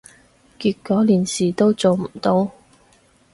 結果連事都做唔到